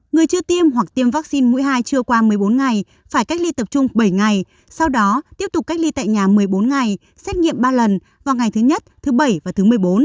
người chưa tiêm hoặc tiêm vaccine mũi hai chưa qua một mươi bốn ngày phải cách ly tập trung bảy ngày sau đó tiếp tục cách ly tại nhà một mươi bốn ngày xét nghiệm ba lần vào ngày thứ nhất thứ bảy và thứ một mươi bốn